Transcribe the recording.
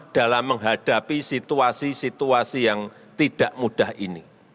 dalam menghadapi situasi situasi yang tidak mudah ini